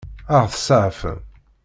Ad ɣ-tseɛfem?